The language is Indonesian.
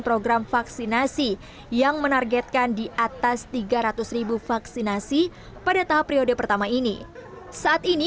program vaksinasi yang menargetkan di atas tiga ratus vaksinasi pada tahap periode pertama ini saat ini